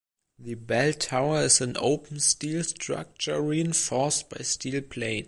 The bell tower is an open steel structure reinforced by steel plates.